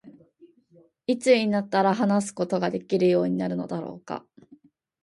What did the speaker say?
何時になったら話すことができるようになるのだろうか。